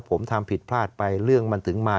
ผมทำผิดพลาดไปเรื่องมันถึงมา